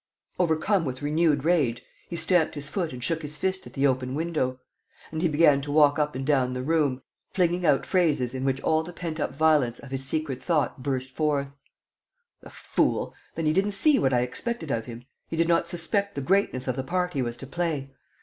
Overcome with renewed rage, he stamped his foot and shook his fist at the open window. And he began to walk up and down the room, flinging out phrases in which all the pent up violence of his secret thought burst forth: "The fool! Then he didn't see what I expected of him? He did not suspect the greatness of the part he was to play?